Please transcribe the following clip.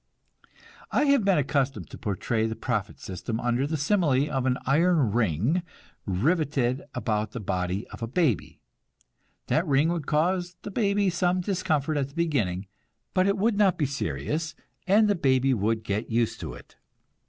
I have been accustomed to portray the profit system under the simile of an iron ring riveted about the body of a baby. That ring would cause the baby some discomfort at the beginning, but it would not be serious, and the baby would get used to it.